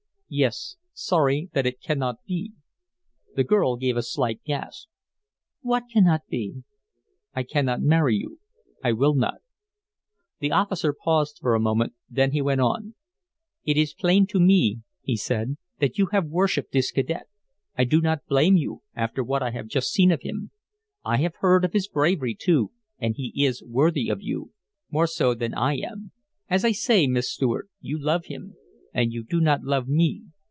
"Yes, sorry that it cannot be." The girl gave a slight gasp. "What cannot be?" "I cannot marry you. I will not." The officer paused for a moment, then he went on. "It is plain to me," he said, "that you have worshiped this cadet. I do not blame you, after what I have just seen of him. I have heard of his bravery, too, and he is worthy of you more so than I am. As I say, Miss Stuart, you love him; and you do not love me.